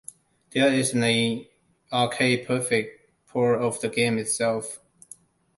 There isn't a arcade perfect port of the game itself.